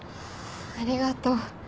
ありがとう。